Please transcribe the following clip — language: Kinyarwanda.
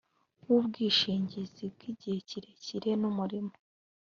w ubwishingizi bw igihe kirekire n umurimo